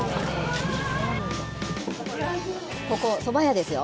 ここ、そば屋ですよ。